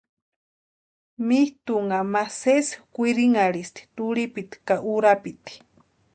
Mitʼunha ma sési kwirinhasti turhipiti ka urapiti.